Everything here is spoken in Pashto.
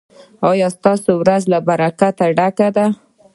ایا ستاسو ورځ له برکته ډکه ده؟